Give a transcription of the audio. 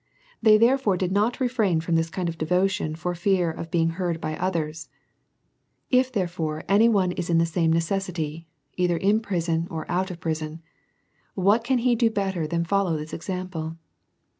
They, therefore, did not refrain from this kind of devotion for fear of being heard by others. If, therefore, any one is in the same neces sity, either in prison or out of prison, what can he do better, tlian to follow this example?